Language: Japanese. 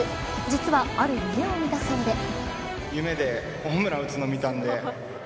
実はある夢を見たそうです。